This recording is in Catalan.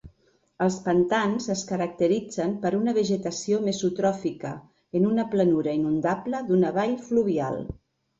Els pantans es caracteritzen per una vegetació mesotròfica en una planura inundable d'una vall fluvial.